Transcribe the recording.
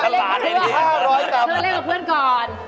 เธอเล่นกับเพื่อนก่อน